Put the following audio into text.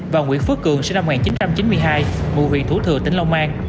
và nguyễn phước cường sinh năm một nghìn chín trăm chín mươi hai ngụ huyện thủ thừa tỉnh long an